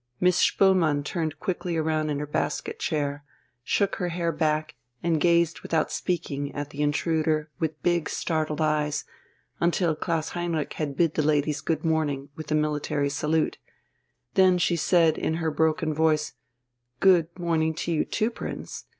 Miss Spoelmann turned quickly round in her basket chair, shook her hair back and gazed without speaking at the intruder with big, startled eyes, until Klaus Heinrich had bid the ladies good morning with a military salute. Then she said in her broken voice: "Good morning to you too, Prince.